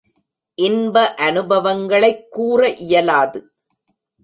இன்ப அநுபவங்களைக் கூற இயலாது.